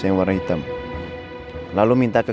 kok gak ada